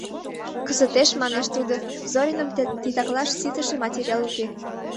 — Кызытеш, — мане тудо, — Зориным титаклаш ситыше материал уке.